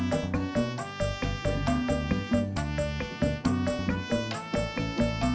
soalnya saya nggak bisa kerja dilihatin sama ditungguin